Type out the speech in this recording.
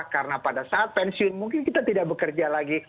karena pada saat pensiun mungkin kita tidak bekerja lagi